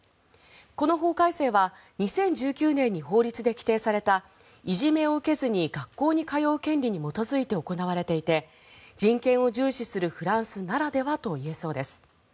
この法改正は２０１９年に法律で規定されたいじめを受けずに学校に通う権利に基づいて行われていて人権を重視するフランスならではといえそうです。